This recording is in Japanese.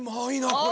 これ。